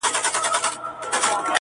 د زندانونو تعبیرونه له چا وپوښتمه!